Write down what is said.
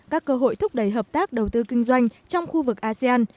các cơ hội thúc đẩy hợp tác đầu tư kinh doanh trong khu vực asean